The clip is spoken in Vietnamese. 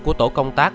của tổ công tác